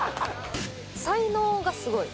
才能がすごい。